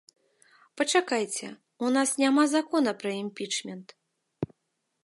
Пачакайце, у нас няма закона пра імпічмент.